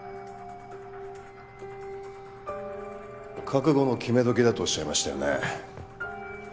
覚悟の決め時だとおっしゃいましたよね？